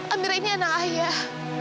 amirah ini anak ayah